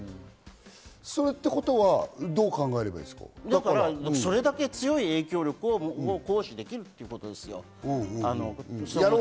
そういうことは、どう考えれそれだけ強い影響力を行使できるということですよ。